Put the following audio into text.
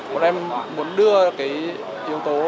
một em muốn đưa cái yếu tố